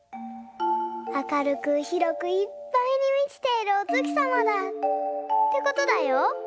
明るくひろくいっぱいにみちているお月さまだ」ってことだよ。